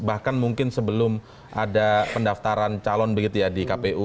bahkan mungkin sebelum ada pendaftaran calon begitu ya di kpu